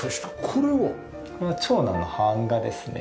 これは長男の版画ですね。